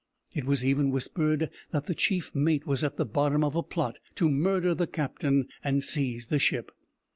It was even whispered that the chief mate was at the bottom of a plot to murder the captain and seize the ship.